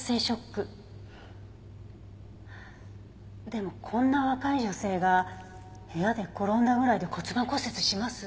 でもこんな若い女性が部屋で転んだぐらいで骨盤骨折します？